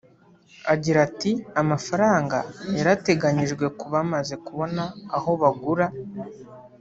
Agira ati “Amafaranga yarateganyijwe ku bamaze kubona aho bagura